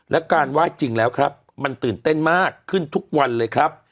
แล้วการไหว้จริงแล้วครับมันตื่นเต้นมากขึ้นทุกวันเลยครับ